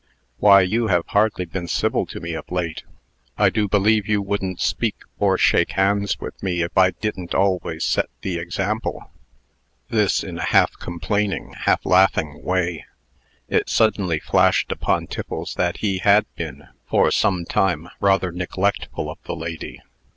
"Why, you have hardly been civil to me, of late. I do believe you wouldn't speak, or shake hands with me, if I didn't always set the example." This in a half complaining, half laughing way. It suddenly flashed upon Tiffles that he had been, for some time, rather neglectful of the lady.